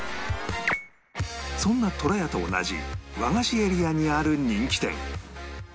そんなとらやと同じ和菓子エリアにある人気店